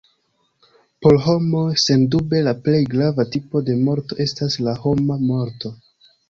Por homoj, sendube la plej grava tipo de morto estas la homa morto.